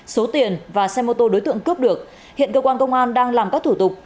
số tiền và xe mô tô đối tượng cướp được hiện cơ quan công an đang làm các thủ tục